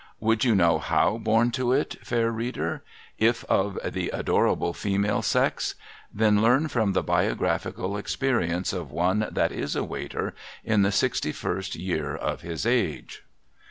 Would you know how born to it, Fair Reader, — if of the adorable female sex ? Then learn from the biographical experience of one that is a ^^'aiter in the sixty first year of his age.